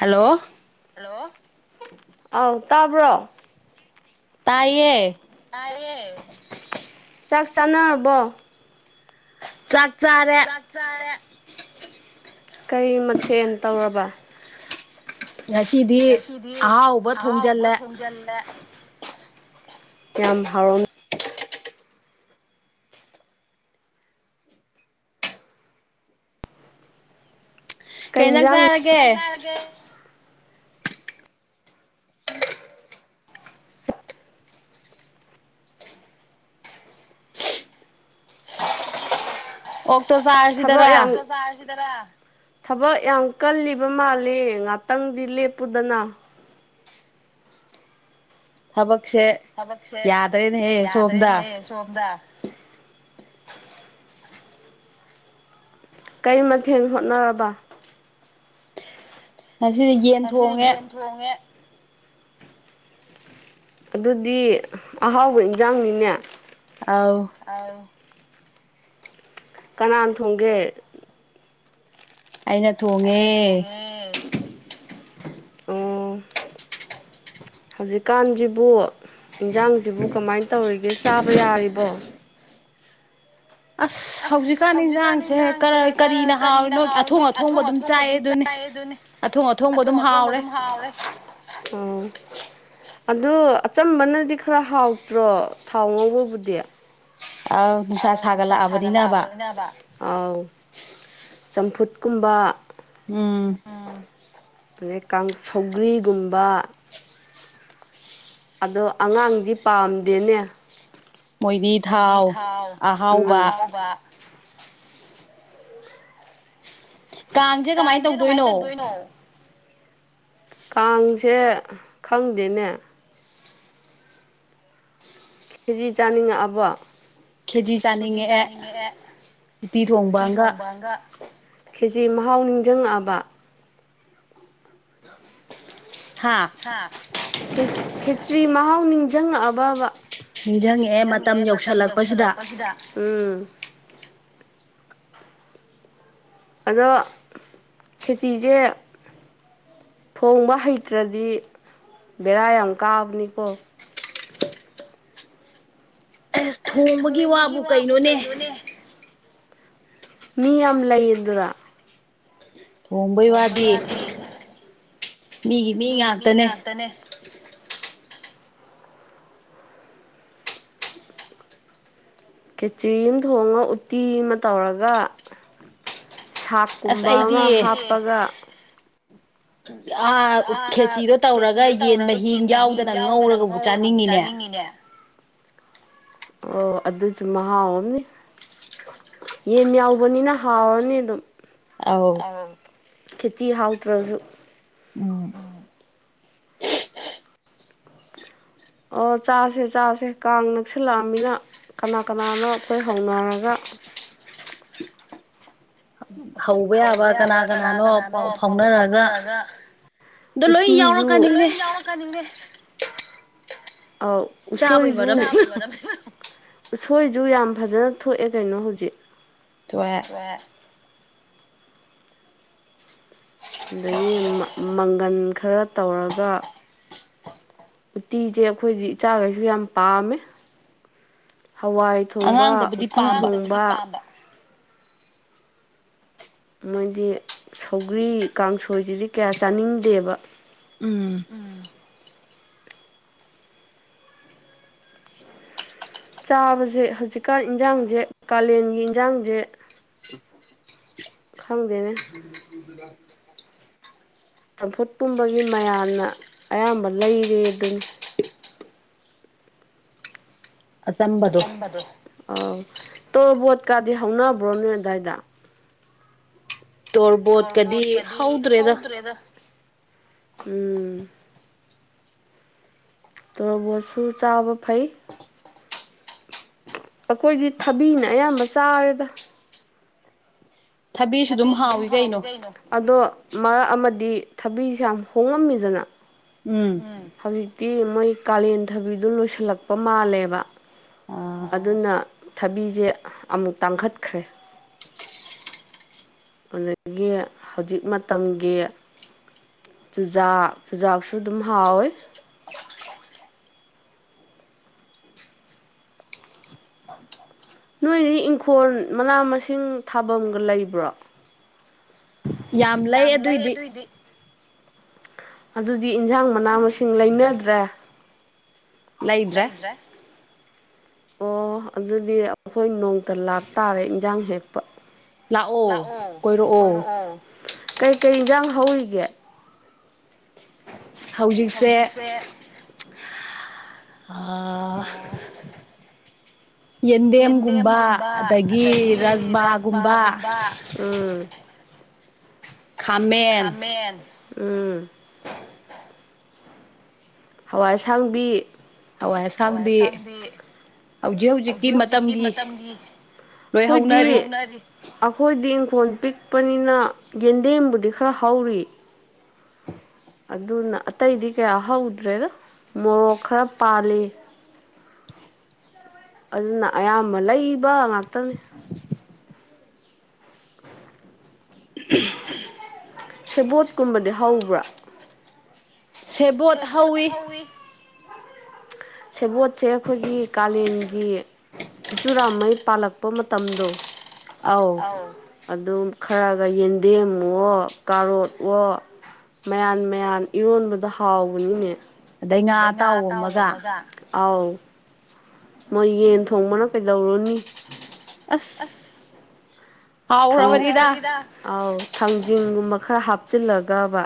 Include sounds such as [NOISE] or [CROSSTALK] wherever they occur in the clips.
hello hello ꯑꯥꯎ ꯇꯥꯕ꯭ꯔꯣ ꯇꯥꯏꯌꯦ ꯇꯥꯏꯌꯦ ꯆꯥꯛ ꯆꯥꯅꯔꯕꯣ ꯆꯥꯛ ꯆꯥꯔꯦ ꯆꯥꯛ ꯆꯥꯔꯦ ꯀꯩ ꯃꯊꯦꯜ ꯇꯧꯔꯕ ꯉꯁꯤꯗꯤ ꯑꯍꯥꯎꯕ ꯊꯣꯡꯖꯤꯜꯂꯦ ꯊꯣꯡꯖꯤꯜꯂꯦ ꯌꯥꯝ ꯍꯥꯎꯔꯝ ꯀꯩꯩ ꯏꯟꯖꯥꯡꯅꯣ ꯀꯩ ꯏꯟꯖꯥꯡ ꯆꯥꯔꯒꯦ [INAUDIBLE] ꯑꯣꯛꯇꯣ ꯆꯥꯔꯦ ꯊꯕꯛ ꯌꯥꯝ ꯆꯥꯔꯁꯤꯗꯅ ꯊꯕꯛ ꯌꯥꯝ ꯀꯜꯂꯤꯕ ꯃꯥꯜꯂꯦ ꯉꯥꯛꯇꯪꯗꯤ ꯂꯦꯞꯄꯨꯗꯅ ꯊꯕꯛꯁꯦ ꯌꯥꯗ꯭ꯔꯦꯅꯦꯍꯦ ꯁꯣꯝꯗ ꯁꯣꯝꯗ ꯀꯩ ꯃꯊꯦꯜ ꯍꯣꯠꯅꯔꯕ ꯉꯁꯤꯗꯤ ꯌꯦꯟ ꯉꯁꯤꯗꯤ ꯌꯦꯟ ꯊꯣꯡꯉꯦ ꯑꯗꯨꯗꯤ ꯑꯍꯥꯎꯕ ꯏꯟꯖꯥꯡꯅꯤꯅꯦ ꯑꯥꯎ ꯑꯥꯎ ꯀꯅꯥꯅ ꯊꯣꯡꯒꯦ ꯑꯩꯅ ꯊꯣꯡꯉꯦ ꯉꯦ [INAUDIBLE] ꯍꯧꯖꯤꯛꯀꯥꯟꯁꯤꯕꯨ ꯏꯟꯖꯥꯡꯁꯤꯕꯨ ꯀꯃꯥꯏꯅ ꯇꯧꯔꯤꯒꯦ ꯆꯥꯕ ꯌꯥꯔꯤꯕꯣ ꯑꯁ ꯍꯧꯖꯤꯛꯀꯥꯟ ꯏꯟꯁꯥꯡꯁꯦ ꯀꯔꯤꯅ ꯍꯥꯎꯔꯤꯅꯣ ꯑꯊꯣꯡ ꯑꯊꯣꯡꯕ ꯑꯗꯨꯝ ꯆꯥꯏꯌꯦꯗꯨꯅꯦ ꯑꯊꯣꯡ ꯑꯊꯣꯡꯕ ꯑꯗꯨꯝ ꯍꯥꯎꯔꯦ ꯎꯝ ꯑꯗꯣ ꯑꯆꯝꯕꯅꯗꯤ ꯈꯔ ꯍꯥꯎꯇ꯭ꯔꯣ ꯊꯥꯎ ꯉꯧꯕꯕꯨꯗꯤ ꯑꯥ ꯅꯨꯡꯁꯥ ꯁꯥꯒꯠꯂꯛꯑꯕꯅꯤꯅꯕ ꯆꯝꯐꯨꯠ ꯀꯨꯝꯕ ꯎꯝ ꯑꯗꯩ ꯀꯥꯡ ꯁꯧꯒ꯭ꯔꯤꯒꯨꯝꯕ ꯑꯗꯣ ꯑꯉꯥꯡꯗꯤ ꯄꯥꯝꯗꯦꯅꯦ ꯃꯣꯏꯗꯤ ꯊꯥꯎ ꯎꯝ ꯑꯍꯥꯎꯕ ꯀꯥꯡꯁꯦ ꯀꯨꯃꯥꯏ ꯇꯧꯗꯣꯏꯅꯣ ꯀꯥꯡꯁꯦ ꯈꯪꯗꯦꯅꯦ ꯈꯦꯆꯤ ꯆꯥꯅꯤꯡꯉꯛꯑꯕꯣ ꯈꯦꯆꯤ ꯆꯥꯅꯤꯡꯉꯛꯑꯦ ꯎꯇꯤ ꯊꯣꯡꯕ ꯑꯝꯒ ꯑꯝꯒ ꯀꯦꯆꯤ ꯃꯍꯥꯎ ꯅꯤꯡꯖꯪꯉꯛꯑꯕ [UNINTELLIGIBLE] ꯍꯥꯥ ꯍꯥ ꯈꯦꯆ꯭ꯔꯤ ꯃꯍꯥꯎ ꯅꯤꯡꯖꯪꯉꯛꯑꯕꯕ ꯅꯤꯡꯖꯪꯉꯛꯑꯦ ꯃꯇꯝ ꯌꯧꯁꯤꯜꯂꯛꯄꯁꯤꯗ ꯎꯝ ꯑꯗꯣ ꯈꯦꯆꯤꯁꯦ ꯊꯣꯡꯕ ꯍꯩꯇ꯭ꯔꯗꯤ ꯕꯦꯔꯥ ꯌꯥꯝ ꯀꯥꯕꯅꯤꯀꯣ ꯑꯩꯁ ꯊꯣꯡꯝꯕꯒꯤ ꯋꯥꯕꯨ ꯀꯩꯅꯣꯅꯦ ꯃꯤ ꯌꯥꯝ ꯂꯩꯌꯦꯗꯨꯔꯥ ꯊꯣꯡꯕꯩ ꯋꯥꯗꯤ ꯃꯤꯒꯤ ꯃꯤ ꯉꯥꯛꯇꯅꯦ ꯇꯅꯦ [UNINTELLIGIBLE] ꯈꯦꯆ꯭ꯔꯤ ꯑꯃ ꯊꯣꯡꯉ ꯎꯇꯤ ꯑꯃ ꯇꯧꯔꯒ ꯁꯥꯛ ꯀꯨꯝꯕ ꯑꯃ ꯍꯥꯞꯄꯒ ꯑꯥ ꯈꯦꯆꯤꯗꯣ ꯇꯧꯔꯒ ꯌꯦꯟ ꯃꯍꯤ ꯌꯥꯎꯗꯅ ꯉꯧꯔꯒꯕꯨ ꯆꯥꯅꯤꯡꯉꯤꯅꯦ ꯑꯣ ꯑꯗꯨꯁꯨ ꯃꯍꯥꯎ ꯑꯝꯅꯤ ꯌꯦꯟ ꯌꯥꯎꯕꯅꯤꯅ ꯍꯥꯎꯔꯅꯤ ꯑꯗꯨꯝ ꯑꯧ ꯑꯧ ꯈꯦꯆꯤ ꯍꯥꯎꯇ꯭ꯔꯁꯨ ꯎꯝ ꯑꯣ ꯆꯥꯁꯦ ꯆꯥꯁꯦ ꯀꯥꯡ ꯅꯛꯁꯤꯜꯂꯛꯑꯝꯅꯤꯅ ꯀꯅꯥ ꯀꯅꯥꯅꯣ ꯑꯩꯈꯣꯏ ꯍꯧꯅꯔꯒ ꯍꯧꯕ ꯌꯥꯕ ꯀꯅꯥ ꯀꯅꯥꯅꯣ ꯄꯥꯎ ꯐꯥꯎꯅꯔꯒ ꯎꯠꯇꯤꯁꯨꯨ, ꯂꯣꯢ ꯌꯥꯎꯔꯛꯀꯅꯤꯅꯦ, ꯑꯧ ꯎꯁꯣꯏꯁꯨ, ꯆꯥꯕꯩ ꯃꯔꯝ, ꯎꯁꯣꯏꯁꯨ ꯌꯥꯝ ꯐꯖꯅ ꯊꯣꯛꯑꯦ ꯀꯩꯅꯣ ꯍꯧꯖꯤꯛ ꯊꯣꯛꯑꯦ ꯑꯗꯒꯤ ꯃꯪꯒꯟ ꯈꯔ ꯇꯧꯔꯒ ꯎꯇꯤꯁꯦ ꯑꯩꯈꯣꯏꯁꯨ ꯏꯆꯥꯈꯩꯁꯨ ꯌꯥꯝ ꯄꯥꯝꯃꯦ ꯍꯋꯥꯏ ꯊꯣꯡꯕ ꯎꯇꯤ ꯊꯣꯡꯕ ꯃꯣꯏꯗꯤ ꯁꯧꯒ꯭ꯔꯤ ꯀꯥꯡꯁꯣꯏꯁꯤꯗꯤ ꯀꯌꯥ ꯆꯥꯅꯤꯡꯗꯦꯕ ꯆꯥꯕꯁꯦ ꯍꯧꯖꯤꯛꯀꯥꯟ ꯏꯟꯖꯥꯡꯁꯦ ꯀꯥꯂꯦꯟꯒꯤ ꯏꯟꯖꯥꯡꯁꯦ ꯈꯪꯗꯦꯅꯦ [UNINTELLIGIBLE] ꯆꯝꯐꯨꯠ ꯀꯨꯝꯕꯒꯤ ꯃꯌꯥꯟꯅ ꯑꯌꯥꯝꯕ ꯂꯩꯔꯦꯗꯨꯅꯤ ꯑꯆꯝꯕꯗꯨ, ꯑꯧ ꯇꯣꯔꯕꯣꯠ ꯀꯥꯗꯤ ꯍꯧꯅꯕ꯭ꯔꯣ ꯅꯣꯏ ꯑꯗꯥꯏꯗ ꯇꯣꯔꯕꯣꯠꯀꯗꯤ ꯍꯧꯗ꯭ꯔꯦꯗ ꯗ꯭ꯔꯦꯗ ꯎꯝ ꯇꯣꯔꯕꯣꯠꯁꯨ ꯆꯥꯕ ꯐꯩ ꯑꯩꯈꯣꯏꯗꯤ ꯊꯕꯤꯅ ꯑꯌꯥꯝꯕ ꯆꯥꯔꯦꯗ ꯊꯕꯤꯁꯨ ꯑꯗꯨꯝ ꯍꯥꯎꯏ ꯀꯩꯅꯣ ꯑꯗꯣ ꯃꯔꯛ ꯑꯃꯗꯤ ꯊꯕꯤꯁꯦ ꯌꯥꯝ ꯍꯣꯡꯉꯝꯃꯤꯗꯅ ꯎꯝ ꯍꯧꯖꯤꯛꯇꯤ ꯃꯣꯏ ꯀꯥꯂꯦꯟ ꯊꯕꯤꯗꯨ ꯂꯣꯏꯁꯤꯜꯂꯛꯄ ꯃꯥꯜꯂꯦꯕ ꯑꯗꯨꯅ ꯊꯕꯤꯁꯦ ꯑꯃꯨꯛ ꯇꯥꯡꯈꯠꯈ꯭ꯔꯦ ꯑꯗꯒꯤ ꯍꯧꯖꯤꯛ ꯃꯇꯝꯒꯤ ꯆꯨꯖꯥꯛ ꯆꯨꯖꯥꯛꯁꯨ ꯑꯗꯨꯝ ꯍꯥꯎꯋꯦ ꯅꯣꯏꯗꯤ ꯏꯪꯈꯣꯜ ꯃꯅꯥ ꯃꯁꯤꯡ ꯊꯥꯐꯝꯒ ꯂꯩꯕ꯭ꯔꯣ ꯌꯥꯝ ꯂꯩ ꯑꯗꯨꯏꯗꯤ ꯑꯗꯨꯗꯤ ꯏꯟꯁꯥꯡ ꯃꯅꯥ ꯃꯁꯤꯡ ꯂꯩꯅꯗ꯭ꯔꯦ ꯂꯩꯩꯗ꯭ꯔꯦ ꯑꯣ ꯑꯗꯨꯗꯤ ꯑꯩꯈꯣꯏ ꯅꯣꯡꯇ ꯂꯥꯛ ꯇꯥꯔꯦ ꯏꯟꯖꯥꯡ ꯍꯦꯛꯄ ꯂꯥꯛꯑꯣ ꯀꯣꯏꯔꯛꯑꯣ ꯑꯣ ꯀꯩꯀꯩ ꯏꯟꯖꯥꯡ ꯍꯧꯔꯤꯒꯦ ꯍꯧꯖꯤꯛꯁꯦ ꯑꯥ ꯌꯦꯟꯗꯦꯝꯒꯨꯝꯕ ꯑꯗꯥꯒꯤ ꯔꯖꯃꯥꯒꯨꯝꯕ ꯎꯝ ꯈꯥꯃꯦꯟ ꯎꯝ [INAUDIBLE] ꯍꯋꯥꯏ ꯑꯁꯥꯡꯕꯤ ꯍꯋꯥꯏ ꯑꯁꯥꯡꯕꯤ ꯍꯧꯖꯤꯛ ꯍꯧꯖꯤꯛꯀꯤ ꯃꯇꯝꯒꯤ ꯈꯣꯏꯗꯤ ꯑꯩꯈꯣꯏꯗꯤ ꯏꯪꯈꯣꯜ ꯄꯤꯛꯄꯅꯤꯅ ꯌꯦꯟꯗꯦꯝꯕꯨꯗꯤ ꯈꯔ ꯍꯧꯔꯤ ꯑꯗꯨꯅ ꯑꯇꯩꯗꯤ ꯀꯌꯥ ꯍꯧꯗ꯭ꯔꯦꯗ ꯃꯣꯔꯣꯛ ꯈꯔ ꯄꯥꯜꯂꯤ ꯑꯗꯨꯅ ꯑꯌꯥꯝꯕ ꯂꯩꯕ ꯉꯥꯛꯇꯅꯦ ꯁꯦꯕꯣꯠꯀꯨꯝꯕꯗꯤ ꯍꯧꯕ꯭ꯔꯣ ꯁꯦꯕꯣꯠ ꯍꯧꯋꯤ ꯁꯦꯕꯣꯠꯁꯦ ꯑꯩꯈꯣꯏꯒꯤ ꯀꯥꯂꯦꯟꯒꯤ ꯆꯨꯆꯨꯔꯥꯃꯩ ꯄꯥꯜꯂꯛꯄ ꯃꯇꯝꯗꯣ ꯑꯧ ꯑꯧ ꯑꯗꯨꯝ ꯈꯔꯒ ꯌꯦꯟꯗꯦꯝꯋꯣ ꯀꯥꯔꯣꯠꯑꯣ ꯃꯌꯥꯟ ꯃꯌꯥꯟ ꯏꯔꯣꯟꯕꯗꯣ ꯍꯥꯎꯕꯅꯤꯅꯦ ꯑꯗꯩ ꯉꯥ ꯑꯇꯥꯎꯕ ꯑꯃꯒ ꯑꯧ ꯃꯣꯏ ꯌꯦꯟ ꯊꯣꯡꯕꯅ ꯀꯩꯗꯧꯔꯨꯅꯤ ꯑꯥꯁ ꯊꯥꯎ ꯑꯧ ꯊꯥꯡꯖꯤꯡꯒꯨꯝꯕ ꯈꯔ ꯍꯥꯞꯆꯤꯜꯂꯒꯕ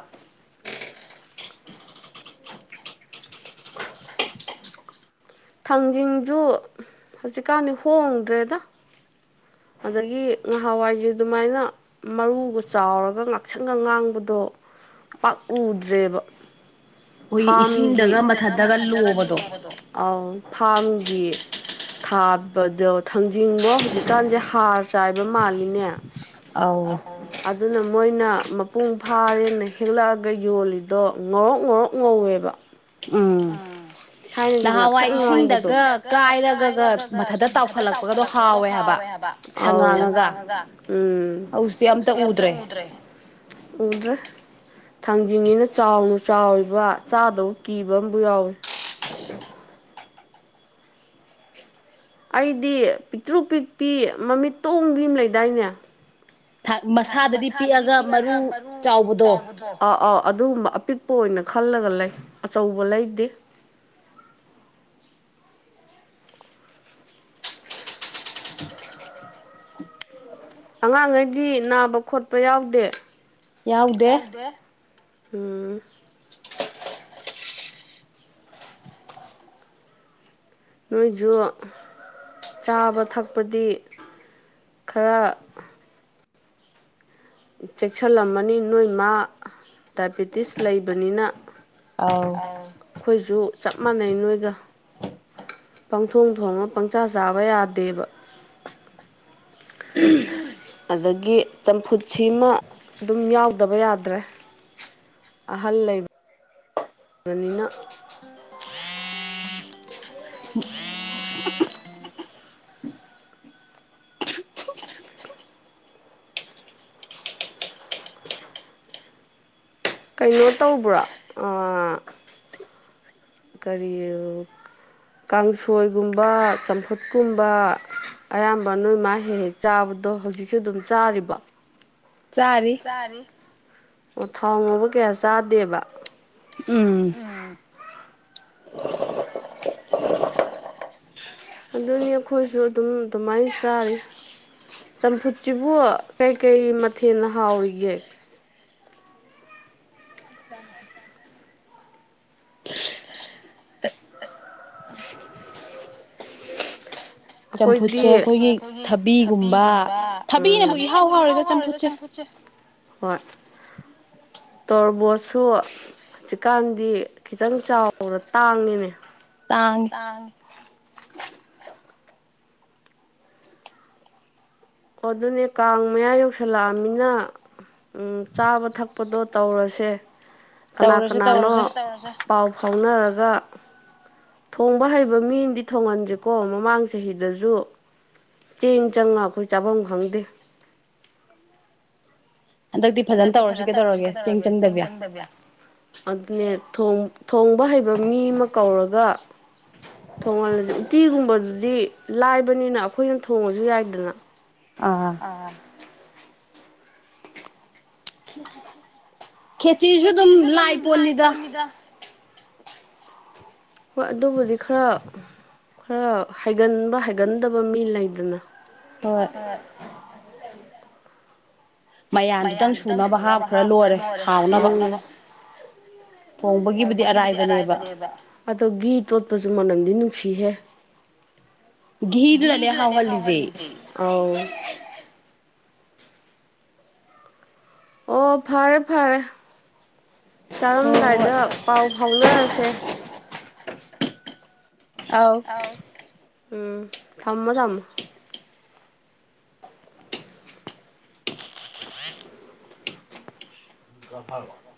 ꯊꯥꯡꯖꯤꯡꯖꯨ ꯍꯧꯖꯤꯛꯀꯥꯟꯗꯤ ꯍꯣꯡꯗ꯭ꯔꯦꯗ ꯑꯗꯥꯒꯤ ꯉꯍꯥꯋꯥꯏꯒꯤ ꯑꯗꯨꯃꯥꯏꯅ ꯃꯔꯨꯒ ꯆꯥꯎꯔꯒ ꯉꯥꯛꯁꯪꯒ ꯉꯥꯡꯕꯗꯣ ꯄꯥꯛ ꯎꯗ꯭ꯔꯦꯕ ꯐꯥꯒꯤ ꯑ ꯐꯥꯃꯤꯒꯤ ꯊꯥꯕꯗꯣ ꯊꯥꯡꯖꯤꯡꯕꯣ ꯍꯧꯖꯤꯛꯀꯥꯟꯁꯦ ꯍꯥꯔ ꯆꯥꯏꯕ ꯃꯥꯜꯂꯤꯅꯦ ꯑꯧ ꯑꯗꯨꯅ ꯃꯣꯏꯅ ꯃꯄꯨꯡ ꯐꯥꯔꯦꯅ ꯍꯦꯛꯂꯛꯑꯒ ꯌꯣꯜꯂꯤꯗꯣ ꯉꯧꯔꯣꯛ ꯉꯧꯔꯣꯛ ꯉꯧꯋꯦꯕ ꯎꯝ ꯊꯥꯏꯅꯒꯤ ꯉꯥꯛꯁꯪ ꯉꯥꯡꯕꯗꯣ ꯢꯁꯤꯡꯗꯒ ꯀꯥꯏꯔꯒꯒ ꯃꯊꯇ ꯇꯥꯎꯈꯠꯂꯛꯄꯒꯗꯣ ꯍꯥꯎꯋꯦ ꯍꯥꯏꯕ ꯑ ꯉꯥꯡꯉꯒ ꯎꯝ ꯍꯧꯁꯤ ꯑꯝꯇ ꯎꯗ꯭ꯔꯦ [UNINTELLIGIBLE] ꯎꯗ꯭ꯔꯦ ꯊꯥꯡꯖꯤꯡꯅꯤꯅ ꯆꯥꯎꯅ ꯆꯥꯎꫪꯤꯕ ꯆꯥꯗꯧꯕ ꯀꯤ ꯀꯤꯕ ꯑꯃꯕꯨ ꯌꯥꯎꯋꯦ ꯑꯩꯗꯤ ꯄꯤꯛꯇ꯭ꯔꯨ ꯄꯤꯛꯄꯤ ꯃꯃꯤꯠ ꯇꯣꯡꯕꯤ ꯑꯃ ꯂꯩꯗꯥꯏꯅꯦ ꯃꯁꯥꯗꯗꯤ ꯄꯤꯛꯑꯒ ꯃꯔꯨ ꯆꯥꯎꯕꯗꯣ ꯑꯧ ꯑꯥ ꯑꯗꯨꯒꯨꯝꯕ ꯑꯄꯤꯛꯄ ꯑꯣꯏꯅ ꯈꯜꯂꯒ ꯂꯩ ꯑꯆꯧꯕ ꯂꯩꯘꯦ ꯑꯉꯥꯡꯉꯩꯗꯤ ꯅꯥꯕ ꯈꯣꯠꯄ ꯌꯥꯎꯗꯦ ꯌꯥꯎꯗꯦ ꯎꯝ ꯅꯣꯏꯁꯨ ꯆꯥꯕ ꯊꯛꯄꯗꯤ ꯈꯔ ꯆꯦꯛꯁꯤꯜꯂꯝꯃꯅꯤ ꯅꯣꯏ ꯃꯥ ꯗꯥꯏꯕꯤꯦꯇꯤꯁ ꯂꯩꯕꯅꯤꯅ ꯑꯧ ꯑꯩꯈꯣꯏꯁꯨ ꯆꯞ ꯃꯥꯟꯅꯩ ꯅꯣꯏꯒ ꯄꯪꯊꯣꯡ ꯊꯣꯡꯉ ꯄꯪꯆꯥ ꯆꯥꯕ ꯌꯥꯗꯦꯕ ꯑꯗꯒꯤ ꯆꯝꯐꯨꯠ ꯁꯤꯃ ꯑꯗꯨꯝ ꯌꯥꯎꯗꯕ ꯌꯥꯗ꯭ꯔꯦ ꯑꯍꯜ ꯂꯩꯕꯅꯤꯅ ꯀꯩꯅꯣ ꯇꯧꯕ꯭ꯔꯥ ꯀꯔꯤ ꯀꯥꯡꯁꯣꯏꯒꯨꯝꯕ ꯆꯝꯐꯨꯠꯀꯨꯝꯕ ꯑꯌꯥꯝꯕ ꯅꯣꯏ ꯃꯥ ꯍꯦꯛ ꯍꯦꯛ ꯆꯥꯕꯗꯣ ꯍꯧꯖꯤꯛꯁꯨ ꯑꯗꯨꯝ ꯆꯥꯔꯤꯕꯣ ꯆꯔꯤ ꯑꯣ ꯊꯥꯎ ꯉꯧꯕ ꯀꯌꯥ ꯆꯥꯗꯦꯕ ꯎꯝ ꯑꯗꯨꯅꯤ ꯑꯩꯈꯣꯏꯁꯨ ꯑꯗꯨꯝ ꯑꯗꯨꯃꯥꯏꯅ ꯆꯥꯔꯤ ꯆꯝꯐꯨꯠꯁꯤꯕꯨ ꯀꯩꯀꯩ ꯃꯊꯦꯜꯅ ꯍꯥꯎꯔꯤꯒꯦ [UNINTELLIGIBLE] [UNINTELLIGIBLE] ꯑꯩꯈꯣꯏꯗꯤ ꯑꯩꯈꯣꯏꯒꯤ ꯊꯕꯤꯒꯨꯝꯕ ꯊꯕꯤꯅꯕꯨ ꯏꯍꯥꯎ ꯍꯥꯎꯔꯦꯗ ꯆꯝꯐꯨꯠ ꯁꯦ ꯍꯣꯏ ꯇꯣꯔꯕꯣꯠꯁꯨ ꯍꯧꯖꯤꯛꯀꯥꯟꯗꯤ ꯈꯤꯇꯪ ꯆꯥꯎꯔ ꯇꯥꯡꯉꯤꯅꯦ ꯇꯥꯡꯉꯤ ꯇꯥꯡꯉꯤ ꯑꯗꯨꯅꯦ ꯀꯥꯡ ꯃꯌꯥ ꯌꯧꯁꯜꯂꯛꯑꯝꯅꯤꯅ ꯎꯝ ꯆꯥꯕ ꯊꯛꯄꯗꯣ ꯇꯧꯔꯁꯦ ꯀꯅꯥ ꯀꯅꯥꯅꯣ ꯄꯥꯎ ꯐꯥꯎꯅꯔꯒ ꯊꯣꯡꯕ ꯍꯩꯕ ꯃꯤ ꯑꯃꯗꯤꯗꯤ ꯊꯣꯡꯍꯟꯁꯤꯀꯣ ꯃꯃꯥꯡ ꯆꯍꯤꯗꯁꯨ ꯆꯦꯡ ꯆꯪꯉ ꯑꯩꯈꯣꯏ ꯆꯥꯐꯝ ꯈꯪꯗꯦ ꯍꯟꯗꯛꯇꯤ ꯐꯖ ꯇꯧꯔꯁꯤ ꯀꯩꯗꯧꯔꯒꯦ ꯆꯦꯡ ꯆꯪꯗꯕꯤꯌꯥ ꯑꯗꯨꯅꯦ ꯊꯣꯡꯕ ꯍꯩꯕ ꯃꯤ ꯑꯃ ꯀꯧꯔꯒ ꯊꯣꯡꯍꯜꯂꯁꯤ ꯎꯠꯇꯤꯒꯨꯝꯕꯗꯨꯗꯤ ꯂꯥꯏꯕꯅꯤꯅ ꯑꯩꯈꯣꯏꯅ ꯊꯣꯡꯉꯁꯨ ꯌꯥꯏꯗꯅ ꯑꯥ ꯑꯥ ꯈꯦꯆꯤꯥꯁꯨꯗꯨꯝ ꯂꯥꯏ ꯄꯣꯟꯅꯤꯗ ꯍꯣꯏ ꯑꯗꯨꯕꯨꯗꯤ ꯈꯔ ꯈꯔ ꯍꯩꯒꯟꯕ ꯍꯩꯒꯟꯗꯕ ꯃꯤ ꯂꯩꯗꯅ ꯍꯣꯏ ꯍꯣꯏ ꯃꯌꯥꯟꯗꯨꯇꯪ ꯁꯨꯅꯕ ꯍꯥꯞꯈꯔ ꯂꯣꯏꯔꯦ ꯍꯥꯎꯅꯕ ꯊꯣꯡꯕꯒꯤꯕꯨꯗꯤ ꯑꯔꯥꯏꯕꯅꯦꯕ ꯑꯗꯣ ꯘꯤ ꯇꯣꯠꯄꯁꯨ ꯃꯅꯝꯗꯤ ꯅꯨꯡꯁꯤꯍꯦ ꯘꯤꯗꯨꯅꯅꯦ ꯍꯥꯎꯍꯜꯂꯤꯖꯦ ꯑꯥꯎ ꯑꯣ ꯐꯔꯦ ꯐꯔꯦ ꯆꯥꯔꯝꯗꯥꯏꯗ ꯄꯥꯎ ꯐꯥꯎꯅꯔꯁꯦ ꯑꯥꯎ ꯎꯝ ꯊꯝꯃꯣ ꯊꯝ [UNINTELLIGIBLE]